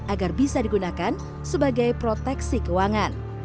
agar bisa digunakan sebagai proteksi keuangan